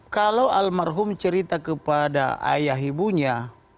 kalau almarhum cerita kepada ayah ibunya